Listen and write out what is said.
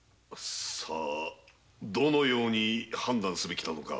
さあどのように判断すべきなのか？